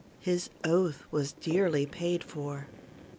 his oath was dearly paid for.